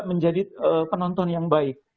menjadi penonton yang baik